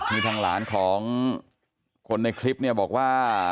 มีทางหลานของคนในคลิปเนี่ยบอกว่า